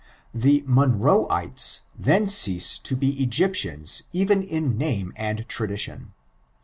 The Monroeitea then ceaae to be Egyptiana even in name and tradition.